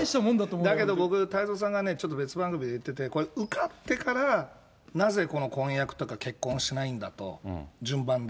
だけど僕ね、太蔵さんが、ちょっと別番組で言ってて、これ、受かってから、なぜこの婚約とか結婚しないんだと、順番で。